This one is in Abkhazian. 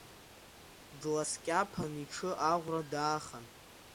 Дласкьаԥан, иҽы аӷәра даахан…